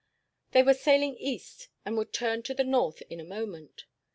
They were sailing east, and would turn to the north in a moment.